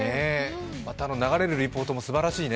また流れるリポートもすばらしいね。